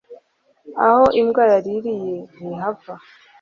aho imbwa yaririye ntihava